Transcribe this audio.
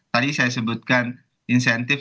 tadi saya sebutkan insentif